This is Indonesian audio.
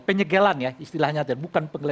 penyegelan ya istilahnya dan bukan berarti itu satu